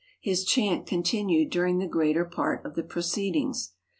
His chant con tinued during the greater part of the proceedings.